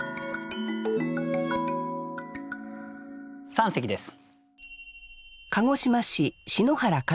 三席です。